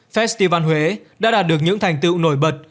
festival huế đã đạt được những thành tựu nổi bật